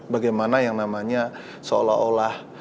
bagaimana yang namanya seolah olah